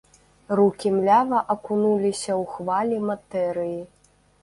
Рукі млява акунуліся ў хвалі матэрыі.